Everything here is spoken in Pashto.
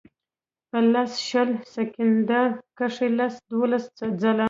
پۀ لس شل سیکنډه کښې لس دولس ځله